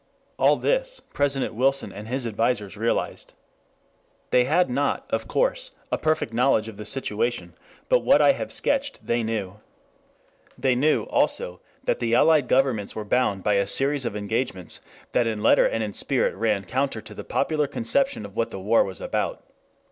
All this President Wilson and his advisers realized. They had not, of course, a perfect knowledge of the situation, but what I have sketched they knew. They knew also that the Allied Governments were bound by a series of engagements that in letter and in spirit ran counter to the popular conception of what the war was about.